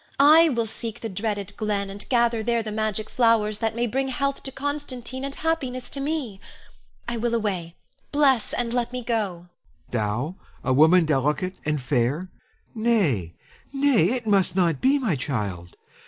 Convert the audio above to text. I will seek the dreaded glen and gather there the magic flowers that may bring health to Constantine and happiness to me. I will away; bless, and let me go. Helon. Thou, a woman delicate and fair! Nay, nay, it must not be, my child!